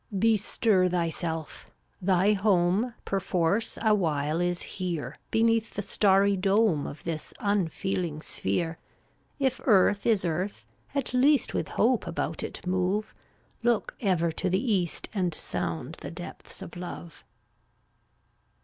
324 Bestir thyself; thy home, Perforce, awhile is here, Beneath the starry dome Of this unfeeling sphere; If earth is earth, at least With hope about it move; Look ever to the east And sound the depths of love.